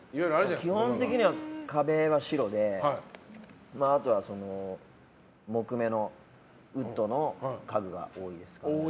基本的には壁は白であとは木目のウッドの家具が多いですね。